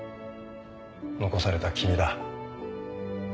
残された君だ。